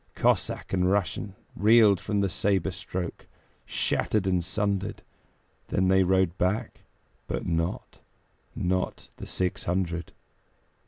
Cossack and Russian Reeled from the sabre stroke, Shattered and sundered. Then they rode back, but not Not the six hundred.